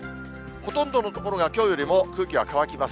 ほとんどの所がきょうよりも空気は乾きます。